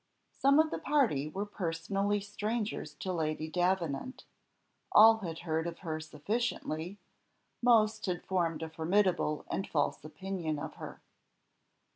Some of the party were personally strangers to Lady Davenant; all had heard of her sufficiently; most had formed a formidable and false opinion of her.